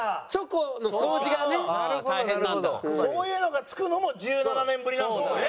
そういうのが付くのも１７年ぶりなんですもんね。